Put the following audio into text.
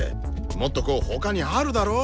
もっとこう他にあるだろ？